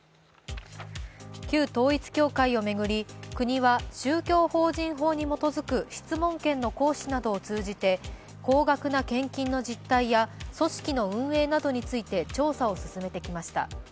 旧統一教会を巡り国は宗教法人法に基づく質問権の行使などを通じて高額な献金の実態や組織の運営などについて調査を進めてきました。